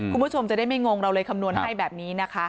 คุณผู้ชมจะได้ไม่งงเราเลยคำนวณให้แบบนี้นะคะ